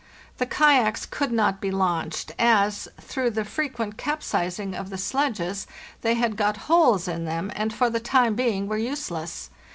The kayaks could not be launched, as, through the frequent capsizing of the sledges, they had got holes in them, and for the time being were use less.